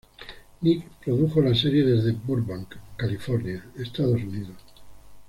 Nick produjo la serie desde Burbank, California, Estados Unidos.